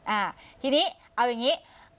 อ่าทีนี้เอาอย่างนี้